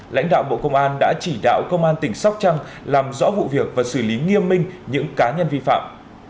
lãnh đạo bộ công an đã chỉ đạo công an tỉnh sóc trăng làm rõ vụ việc và xử lý nghiêm minh những cá nhân vi phạm